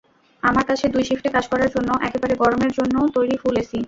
আমার কাছে দুই শিফটে কাজ করার জন্য একেবারে গরমের জন্য তৈরি ফুল এসি।